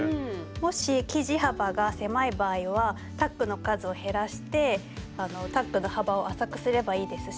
もし生地幅が狭い場合はタックの数を減らしてタックの幅を浅くすればいいですし。